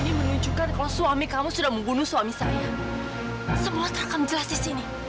karena itu aku sekarang meninggalkan mas praha butari